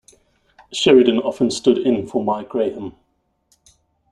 Sheridan often stood in for Mike Graham.